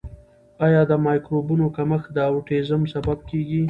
آیا د مایکروبونو کمښت د اوټیزم سبب کیږي؟